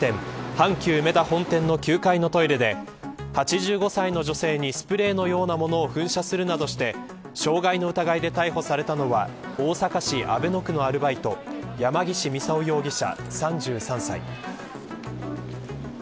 阪急うめだ本店の９階のトイレで８５歳の女性にスプレーのようなものを噴射するとして、傷害の疑いで逮捕されたのは大阪市阿倍野区の山岸操容疑者、３３歳。